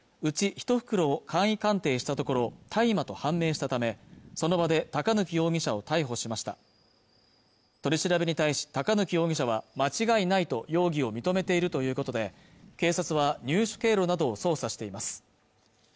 １袋を簡易鑑定したところ大麻と判明したためその場で高貫容疑者を逮捕しました取り調べに対し高貫容疑者は間違いないと容疑を認めているということで警察は入手経路などを捜査しています